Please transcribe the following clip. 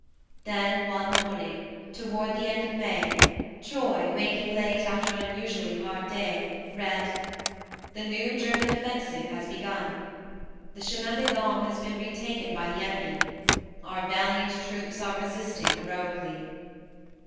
Then one morning, toward the end of May, Troy, waking late after an unusually hard day, read :" The new German offensive has begun. The Chemin des Dames has been re taken by the enemy. Our valiant troops are resisting heroically.